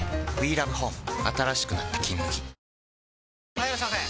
・はいいらっしゃいませ！